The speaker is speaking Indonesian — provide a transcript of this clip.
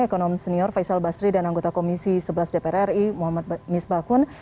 ekonomi senior faisal basri dan anggota komisi sebelas dpr ri muhammad nisbah kun